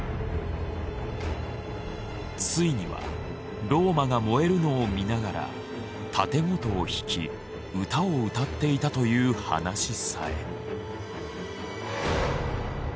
ついにはローマが燃えるのを見ながらたて琴を弾き歌を歌っていたという話さえ。